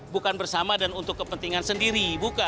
bukan bersama dan untuk kepentingan sendiri